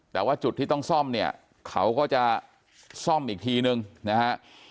แต่ว่าจุดที่ต้องซ่อมเนี่ยเขาก็จะซ่อมอีกทีนึงนะฮะ